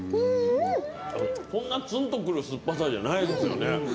そんな、つんとくる酸っぱさじゃないですね。